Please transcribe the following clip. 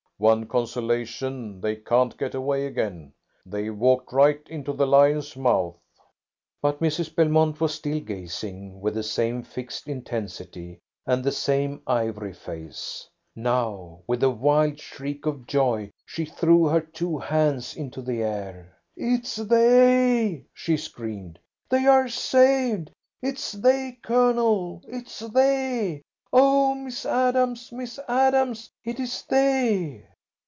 One consolation, they can't get away again. They've walked right into the lion's mouth." But Mrs. Belmont was still gazing with the same fixed intensity, and the same ivory face. Now, with a wild shriek of joy, she threw her two hands into the air. "It's they!" she screamed. "They are saved! It's they, Colonel, it's they! Oh, Miss Adams, Miss Adams, it is they!"